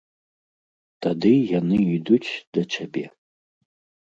Тады яны ідуць да цябе!